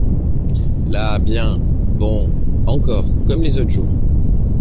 Là bien !… bon !… encore comme les autres jours…